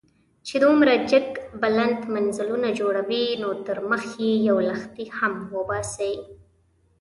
چې دومره جګ بلند منزلونه جوړوئ، نو تر مخ يې يو لښتی هم وباسئ.